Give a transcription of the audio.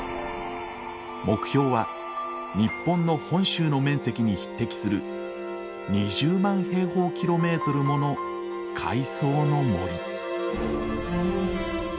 目標は日本の本州の面積に匹敵する２０万平方キロメートルもの海藻の森。